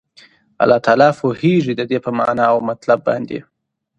الله تعالی پوهيږي ددي په معنا او مطلب باندي